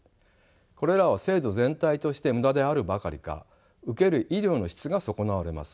これらは制度全体として無駄であるばかりか受ける医療の質が損なわれます。